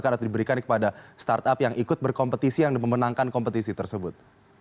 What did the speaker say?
atau diberikan kepada startup yang ikut berkompetisi yang memenangkan kompetisi tersebut